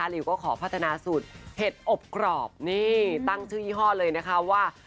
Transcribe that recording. ลิวก็ขอพัฒนาสูตรเห็ดอบกรอบนี่ตั้งชื่อยี่ห้อเลยนะคะว่า